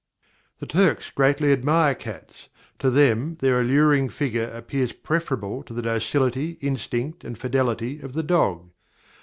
"The Turks greatly admire Cats; to them, their alluring Figure appears preferable to the Docility, Instinct, and Fidelity of the Dog.